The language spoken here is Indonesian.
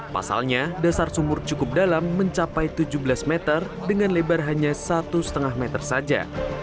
pasalnya dasar sumur cukup dalam mencapai tujuh belas meter dengan lebar hanya satu lima meter saja